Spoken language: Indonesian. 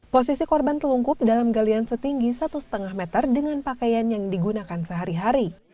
posisi korban telungkup dalam galian setinggi satu lima meter dengan pakaian yang digunakan sehari hari